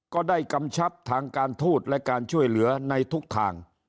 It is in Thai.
กำชับทางการทูตและการช่วยเหลือในทุกทาง